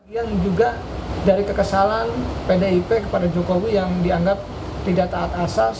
yang juga dari kekesalan pdip kepada jokowi yang dianggap tidak taat asas